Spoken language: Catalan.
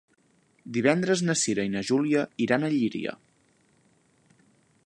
Divendres na Cira i na Júlia iran a Llíria.